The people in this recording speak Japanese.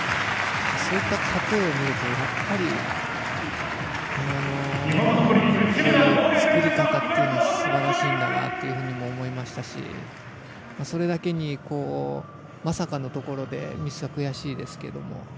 そういった過程を見るとやっぱり技の作り方というのはすばらしいんだなと思いましたしそれだけに、まさかのところでミスは悔しいですけれども。